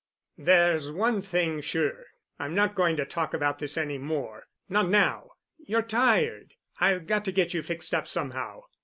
"There's one thing sure: I'm not going to talk about this any more—not now. You're tired. I've got to get you fixed up somehow.